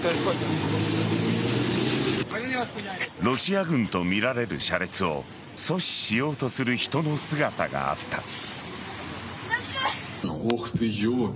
ロシア軍とみられる車列を阻止しようとする人の姿があった。